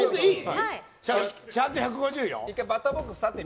ちゃんと１５０よ。